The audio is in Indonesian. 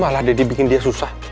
lu malah daddy bikin dia susah